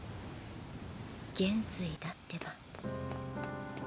元帥だってば。